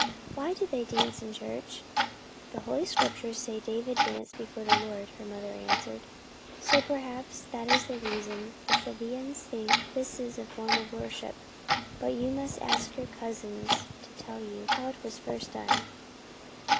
" Why do they dance in church ?" "The Holy Scriptures say that David danced before the Lord," her mother answered, " so perhaps, that is the reason the Sevillians think this is a form of worship, but you must ask your cousins to tell you how it was first done."